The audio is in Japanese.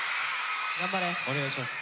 お願いします。